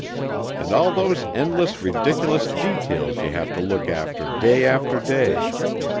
And all those endless ridiculous details you have to look after day after day